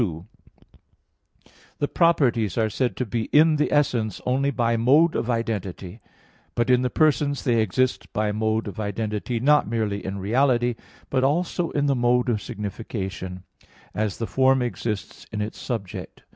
2: The properties are said to be in the essence, only by mode of identity; but in the persons they exist by mode of identity, not merely in reality, but also in the mode of signification; as the form exists in its subject.